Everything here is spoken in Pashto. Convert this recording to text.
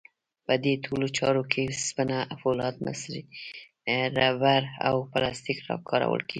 په دې ټولو چارو کې وسپنه، فولاد، مس، ربړ او پلاستیک کارول کېږي.